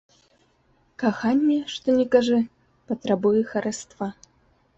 Каханне, што ні кажы, патрабуе хараства.